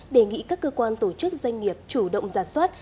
đề nghị các cơ quan tổ chức doanh nghiệp chủ động giả soát